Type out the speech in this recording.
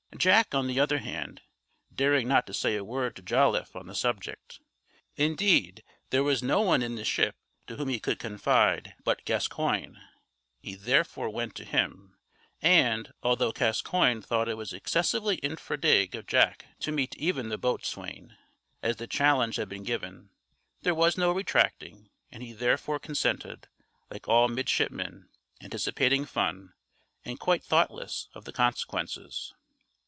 Jack, on the other hand, daring not say a word to Jolliffe on the subject; indeed, there was no one in the ship to whom he could confide but Gascoigne; he therefore went to him, and, although Gascoigne thought it was excessively infra dig of Jack to meet even the boatswain; as the challenge had been given, there was no retracting, and he therefore consented, like all midshipmen, anticipating fun, and quite thoughtless of the consequences....